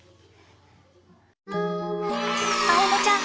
あおのちゃん！